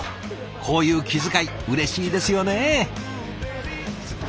こういう気遣いうれしいですよね！